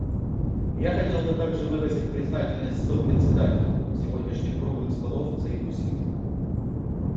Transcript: Я хотел бы также выразить признательность сопредседателям сегодняшних «круглых столов» за их усилия.